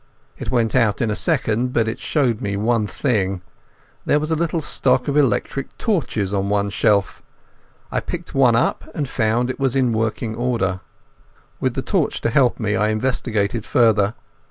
It was out in a second, but it showed me one thing. There was a little stock of electric torches on one shelf. I picked up one, and found it was in working order. With the torch to help me I investigated further.